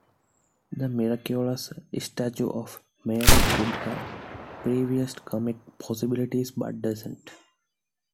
The miraculous statue of Mary could have provided comic possibilities, but doesn't.